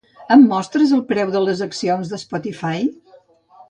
Em mostres el preu de les accions de Shopify?